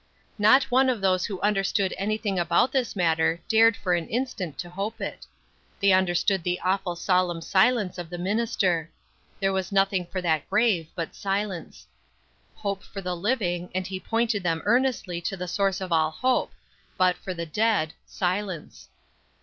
Not one of those who understood anything about this matter dared for an instant to hope it. They understood the awful solemn silence of the minister. There was nothing for that grave but silence. Hope for the living, and he pointed them earnestly to the source of all hope; but for the dead, silence.